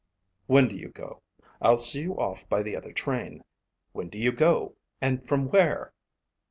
"When do you go? I'll see you off by the other train. When do you go, and from where?"